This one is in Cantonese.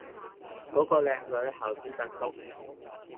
嗰個靚女姣斯凳督